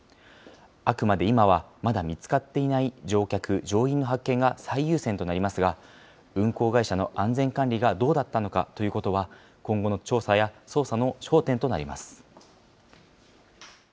あくまで今は、まだ見つかっていない乗客・乗員の発見が最優先となりますが、運航会社の安全管理がどうだったのかということは、今後の調査や捜査の焦点となります。